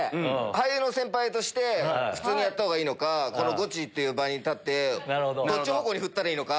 俳優の先輩として普通にやった方がいいかゴチっていう場に立ってどっち方向に振ったらいいのか。